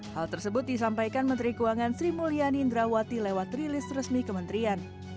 hal tersebut disampaikan menteri keuangan sri mulyani indrawati lewat rilis resmi kementerian